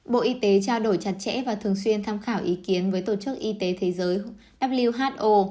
bộ y tế trao đổi chặt chẽ và thường xuyên tham khảo ý kiến với tổ chức y tế thế giới who